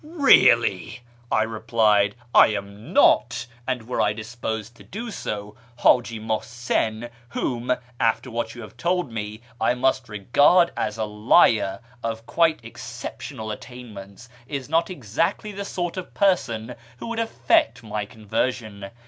Eeally," I replied, " I am not ; and, were I disposed to do so, Hciji Muhsin (whom, after what you have told me, I must regard as a liar of quite exceptional attainments) is not exactly the sort of person who would effect my conversion.